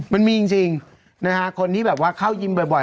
มันมีจริงนะฮะคนที่แบบว่าเข้ายิมบ่อย